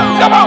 kenapa pak d